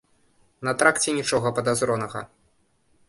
На тракце нічога падазронага.